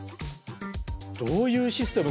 どういうシステム？